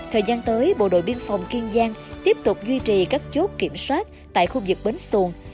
thời gian tới bộ đội biên phòng kiên giang tiếp tục duy trì các chốt kiểm soát tại khu vực bến xuân